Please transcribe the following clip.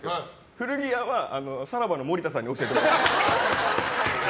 古着屋は、さらばの森田さんに教えてもらいました。